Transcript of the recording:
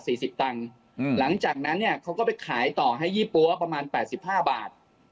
ก็คือ๗๐บาท๔๐ตังค์หลังจากนั้นเนี่ยเขาก็ไปขายต่อให้ยี่ปั๊วประมาณ๘๕บาท